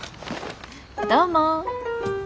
どうも。